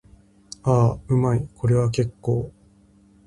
ああ、うまい。これは結構。